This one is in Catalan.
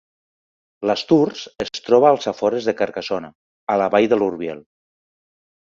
Lastours es troba als afores de Carcassona, a la vall de l'Orbiel.